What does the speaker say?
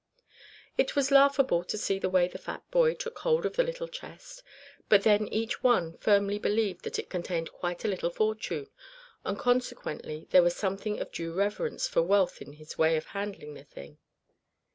It was laughable to see the way the fat boy took hold of the little chest; but then each one firmly believed that it contained quite a little fortune, and consequently there was something of due reverence for wealth in his way of handling the thing.